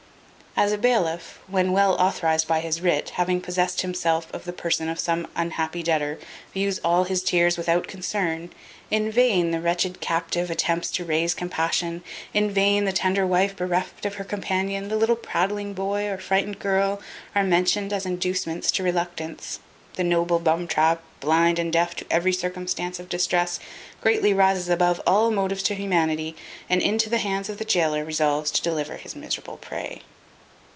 As a bailiff, when well authorized by his writ, having possessed himself of the person of some unhappy debtor, views all his tears without concern; in vain the wretched captive attempts to raise compassion; in vain the tender wife bereft of her companion, the little prattling boy, or frighted girl, are mentioned as inducements to reluctance. The noble bumtrap, blind and deaf to every circumstance of distress, greatly rises above all the motives to humanity, and into the hands of the gaoler resolves to deliver his miserable prey.